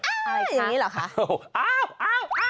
อะไรอย่างนี้เหรอคะ